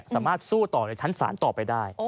สามารถสู้ต่อในชั้นศาลต่อไปได้